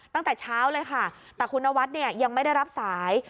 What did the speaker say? ตั้งแต่เช้าเลยค่ะแต่คุณนวัดเนี่ยยังไม่ได้รับสาย